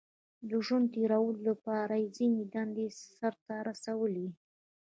• د ژوند تېرولو لپاره یې ځینې دندې سر ته رسولې.